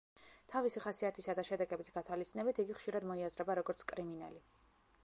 თავისი ხასიათისა და შედეგების გათვალისწინებით, იგი ხშირად მოიაზრება როგორც კრიმინალი.